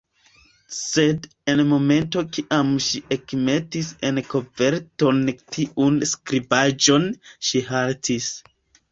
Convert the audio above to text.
Sed, en momento kiam ŝi ekmetis en koverton tiun skribaĵon, ŝi haltis.